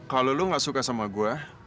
kalau lu gak suka sama gue